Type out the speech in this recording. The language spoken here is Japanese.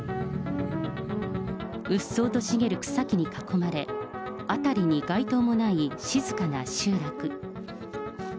うっそうと茂る草木に囲まれ、辺りに街灯もない静かな集落。